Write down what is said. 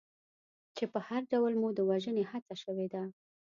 چې په هر ډول مو د وژنې هڅه شوې ده.